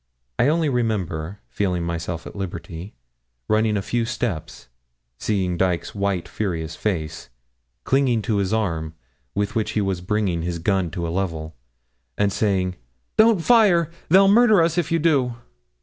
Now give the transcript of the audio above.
I only remember, feeling myself at liberty running a few steps seeing Dykes' white furious face clinging to his arm, with which he was bringing his gun to a level, and saying, 'Don't fire they'll murder us if you do.'